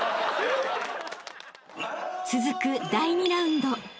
［続く第２ラウンド］